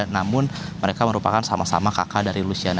namun mereka merupakan sama sama kakak dari luciana